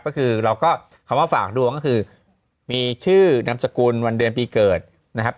ก็คือเราก็คำว่าฝากดวงก็คือมีชื่อนามสกุลวันเดือนปีเกิดนะครับ